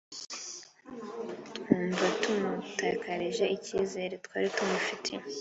twumva tumutakarije icyizere twari tumufitiye